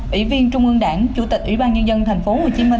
ủy viên trung ương đảng chủ tịch ủy ban nhân dân tp hcm